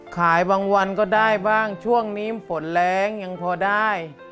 บางวันก็ได้บ้างช่วงนี้ฝนแรงยังพอได้